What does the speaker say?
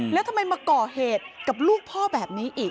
แล้วทำไมมาก่อเหตุกับลูกพ่อแบบนี้อีก